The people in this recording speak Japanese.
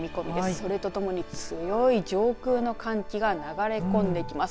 それとともに強い上空の寒気が流れ込んできます。